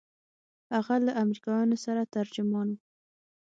هغه له امريکايانو سره ترجمان و.